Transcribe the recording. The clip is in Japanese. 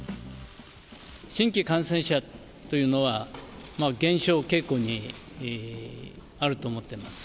新規感染者というのは、減少傾向にあると思っています。